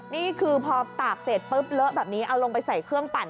นี่คือพอตากเสร็จปุ๊บเลอะแบบนี้เอาลงไปใส่เครื่องปั่น